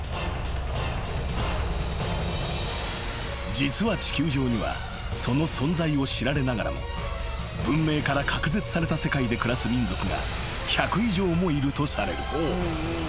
［実は地球上にはその存在を知られながらも文明から隔絶された世界で暮らす民族が１００以上もいるとされる］